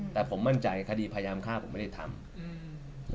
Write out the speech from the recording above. แต่ผมมั่นใจคดีพยายามฆ่าผมไม่ได้ทำ